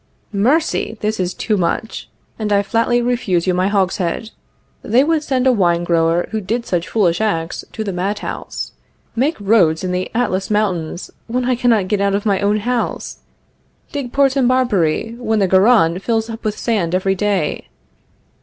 Mercy! This is too much, and I flatly refuse you my hogshead. They would send a wine grower who did such foolish acts to the mad house. Make roads in the Atlas Mountains, when I cannot get out of my own house! Dig ports in Barbary when the Garonne fills up with sand every day!